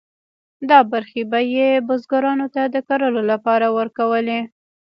دا برخې به یې بزګرانو ته د کرلو لپاره ورکولې.